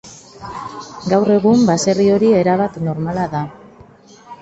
Gaur egun baserri hori erabat normala da.